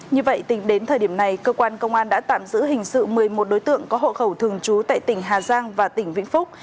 như vậy tính đến thời điểm này cơ quan công an đã tạm giữ hình sự một mươi một đối tượng có hộ khẩu thường trú tại tỉnh hà giang và tỉnh vĩnh phúc